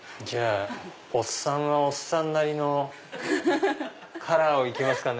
おっさんはおっさんなりのカラーを行きますかね。